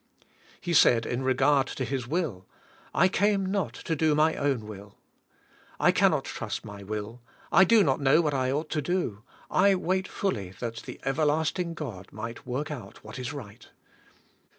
He said in reg"ard to His will, "I came not to do my own will. " I cannot trust my will. I do not know what I oug ht to do. I wait fully, that the Everlasting God mig ht work out what is rig ht.